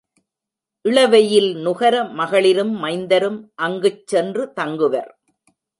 இளவெயில் நுகர மகளிரும் மைந்தரும் அங்குச் சென்று தங்குவர்.